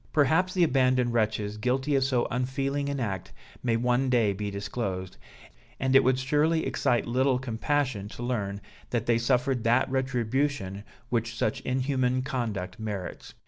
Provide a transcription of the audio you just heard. Perhaps the abandoned wretches guilty of so unfeeling an act may one day be disclosed, and it would surely excite little compassion to learn that they suffered that retribution which such inhuman conduct merits.